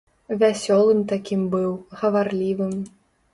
Вясёлым такім быў, гаварлівым.